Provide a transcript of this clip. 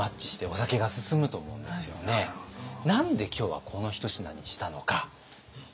何で今日はこの一品にしたのかご覧頂きます。